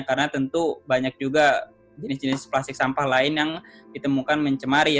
karena tentu banyak juga jenis jenis plastik sampah lain yang ditemukan mencemari ya